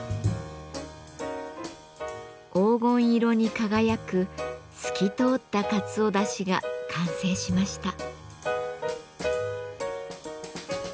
黄金色に輝く透き通ったかつおだしが完成しました。